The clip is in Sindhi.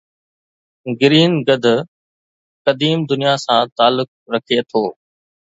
گرين گدھ قديم دنيا سان تعلق رکي ٿو